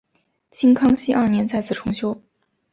清康熙二年再次重修。